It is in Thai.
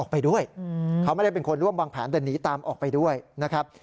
พูดจำออกไปด้วยนะครับ